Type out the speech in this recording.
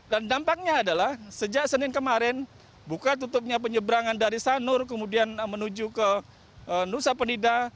dan dampaknya adalah sejak senin kemarin buka tutupnya penyeberangan dari sanur kemudian menuju ke nusa pendida